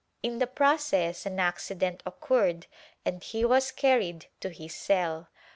In the process an "accident" occurred and he was carried to his cell.